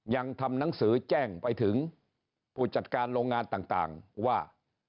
ยังทำหนังสือแจ้งไปถึงผู้จัดการโรงงานต่างว่า